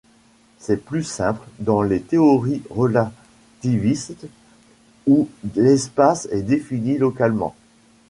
C'est plus simple dans les théories relativistes où l'espace est défini localement.